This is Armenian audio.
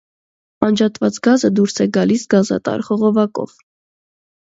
Անջատված գազը դուրս է գալիս գազատար խողովակով։